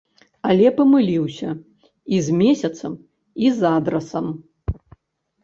Але памыліўся і з месяцам, і з адрасам.